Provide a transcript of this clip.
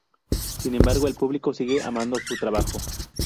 Sin embargo, el público sigue amando su trabajo.